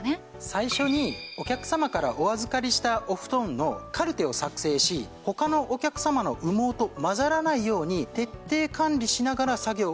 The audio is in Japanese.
最初にお客様からお預かりしたお布団のカルテを作成し他のお客様の羽毛と混ざらないように徹底管理しながら作業を進めて参ります。